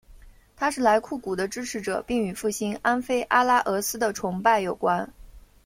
他是莱库古的支持者并与复兴安菲阿拉俄斯的崇拜有关。